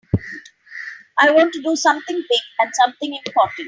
I want to do something big and something important.